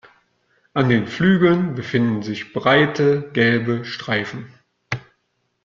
An den Flügeln finden sich breite gelbe Streifen.